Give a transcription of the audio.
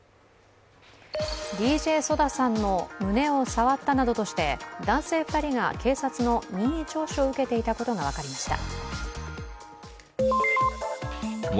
ＤＪＳＯＤＡさんの胸を触ったなどとして男性２人が警察の任意聴取を受けていたことが分かりました。